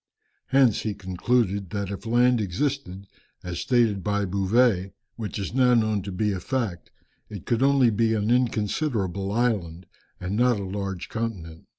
Hence he concluded that if land existed as stated by Bouvet (which is now known to be a fact) it could only be an inconsiderable island, and not a large continent.